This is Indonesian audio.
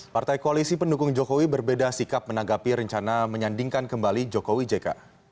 partai koalisi pendukung jokowi berbeda sikap menanggapi rencana menyandingkan kembali jokowi jk